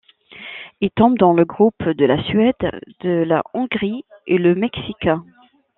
Il tombe dans le groupe de la Suède, de la Hongrie et le Mexique.